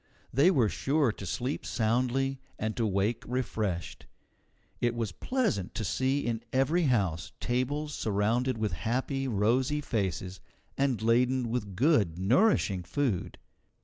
They were sure to sleep soundly, and to wake refreshed. It was pleasant to see in every house tables surrounded with happy, rosy faces, and laden with good nourishing food.